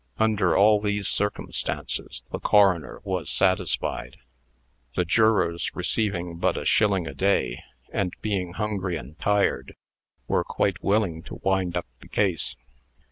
Under all these circumstances, the coroner was satisfied. The jurors, receiving but a shilling a day, and being hungry and tired, were quite willing to wind up the case.